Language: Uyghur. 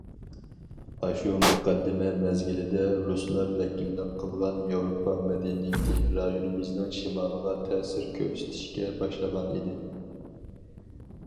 ئاشۇ مۇقەددىمە مەزگىلىدە، رۇسلار ۋەكىللىك قىلغان ياۋروپا مەدەنىيىتى رايونىمىزنىڭ شىمالىغا تەسىر كۆرسىتىشكە باشلىغان ئىدى.